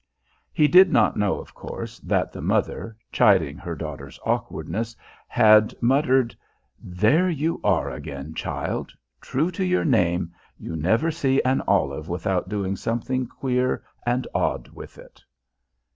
He did not know, of course, that the mother, chiding her daughter's awkwardness, had muttered: "There you are again, child! True to your name, you never see an olive without doing something queer and odd with it!"